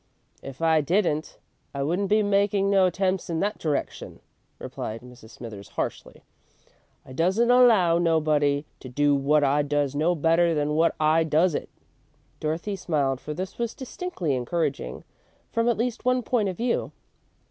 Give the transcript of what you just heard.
"If I didn't, I wouldn't be makin' no attempts in that direction," replied Mrs. Smithers, harshly. "I doesn't allow nobody to do wot I does no better than wot I does it." Dorothy smiled, for this was distinctly encouraging, from at least one point of view.